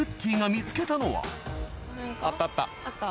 あったあった。